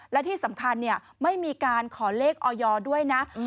และที่สำคัญไม่มีการขอเลขออยด้วยนะ